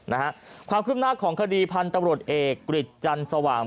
นะฮะความคืบหน้าของคดีพันธุ์ตำรวจเอกกฤษจันสว่าง